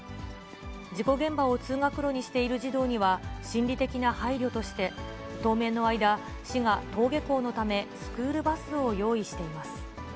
事故現場を通学路にしている児童には、心理的な配慮として、当面の間、市が登下校のため、スクールバスを用意しています。